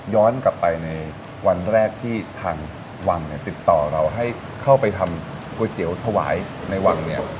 กลับไปในวันแรกที่ทางวังเนี่ยติดต่อเราให้เข้าไปทำก๋วยเตี๋ยวถวายในวังเนี่ย